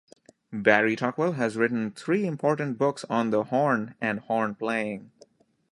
Barry Tuckwell has written three important books on the horn and horn playing.